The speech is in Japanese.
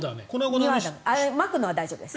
まくのは大丈夫です。